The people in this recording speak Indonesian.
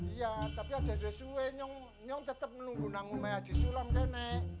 iya tapi ada yang tetap menunggu nangkepnya disulam kan